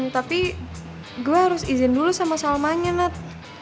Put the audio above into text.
tapi gue harus izin dulu sama salmanya not